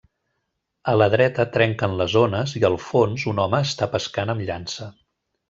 A la dreta trenquen les ones i al fons un home està pescant amb llança.